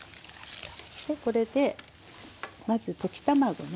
これでまず溶き卵ね。